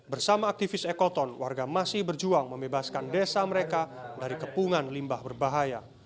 bersama aktivis ekoton warga masih berjuang membebaskan desa mereka dari kepungan limbah berbahaya